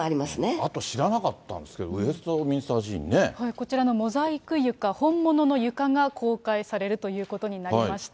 あと知らなかったんですけど、こちらのモザイク床、本物の床が公開されるということになりました。